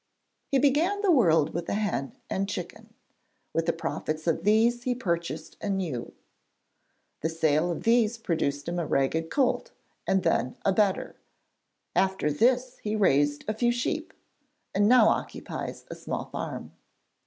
'He began the world with a hen and chicken; with the profit of these he purchased an ewe. The sale of these procured him a ragged colt and then a better; after this he raised a few sheep, and now occupies a small farm.'